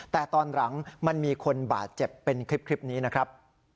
แต่ตอนหลังมันมีคนบาดเจ็บเป็นคลิปนี้นะครับ